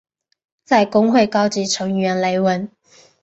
在公会高级成员雷文。